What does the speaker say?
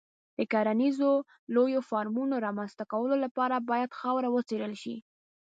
د کرنیزو لویو فارمونو رامنځته کولو لپاره باید خاوره وڅېړل شي.